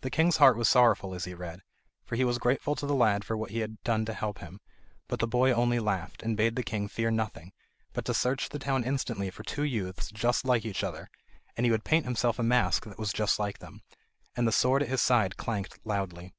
The king's heart was sorrowful as he read, for he was grateful to the lad for what he had done to help him; but the boy only laughed, and bade the king fear nothing, but to search the town instantly for two youths just like each other, and he would paint himself a mask that was just like them. And the sword at his side clanked loudly.